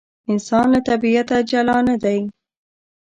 انسان له طبیعته جلا نه دی.